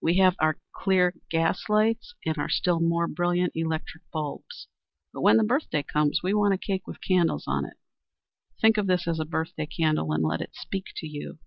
We have our clear gas lights and our still more brilliant electric bulbs, but when the birthday comes we want a cake with candles on it. Think of this as a birthday candle and let it speak to you.